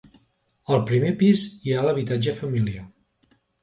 Al primer pis hi ha l'habitatge familiar.